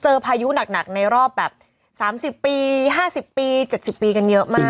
พายุหนักในรอบแบบ๓๐ปี๕๐ปี๗๐ปีกันเยอะมาก